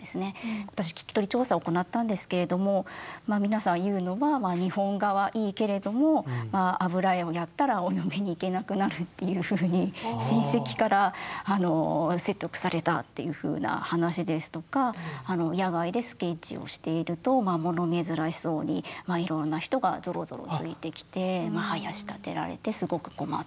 私聞き取り調査おこなったんですけれども皆さん言うのは日本画はいいけれども油絵をやったらお嫁に行けなくなるっていうふうに親戚から説得されたっていうふうな話ですとか野外でスケッチをしていると物珍しそうにいろんな人がぞろぞろついてきてはやしたてられてすごく困ったっていう。